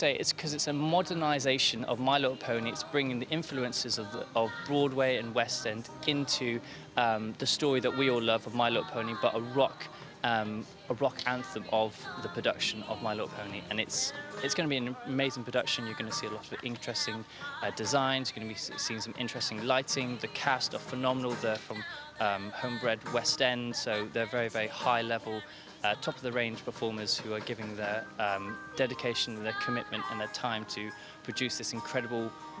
pertunjukan ini melibatkan para pemain profesional dari panggung broadway west end london inggris